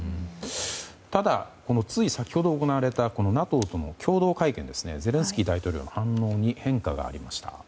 ただ、つい先ほど行われたＮＡＴＯとの共同会見でゼレンスキー大統領の反応に変化がありました。